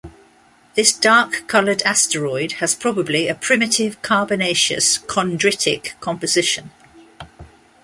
This dark-coloured asteroid has probably a primitive carbonaceous chondritic composition.